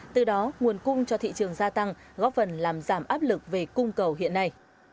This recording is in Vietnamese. từ đó nguồn cung cho thị trường gia tăng góp phần làm giảm áp lực về cung cầu hiện nay